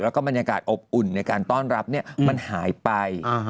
แล้วก็บรรยากาศอบอุ่นในการต้อนรับมันหายไป